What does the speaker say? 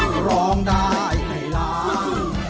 คือร้องได้ให้ร้าง